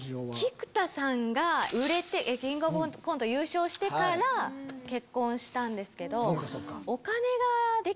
菊田さんが売れて『キングオブコント』で優勝してから結婚したんですけど。